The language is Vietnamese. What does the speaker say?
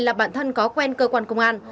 là bạn thân có quen cơ quan công an